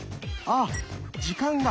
あ時間が。